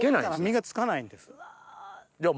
実がつかないんです。